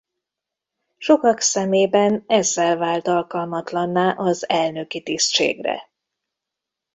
Sokak szemében ezzel vált alkalmatlanná az elnöki tisztségre.